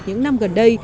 những năm gần đây